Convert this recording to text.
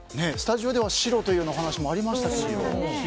スタジオでは白というお話もありましたけれども。